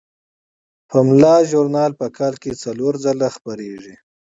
پملا ژورنال په کال کې څلور ځله خپریږي.